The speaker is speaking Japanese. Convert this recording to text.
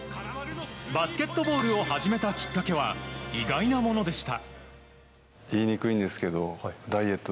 バスケットボールを始めたきっかけは意外なものでした。